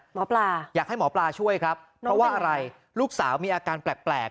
หมอปลาอยากให้หมอปลาช่วยครับเพราะว่าอะไรลูกสาวมีอาการแปลก